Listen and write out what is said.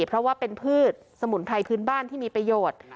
เพราะว่าเป็นพืชสมุนไพรพื้นบ้านที่มีประโยชน์